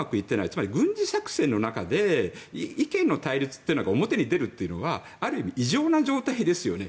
つまり軍事作戦の中で意見の対立というのは表に出るというのはある意味、異常な状態ですよね。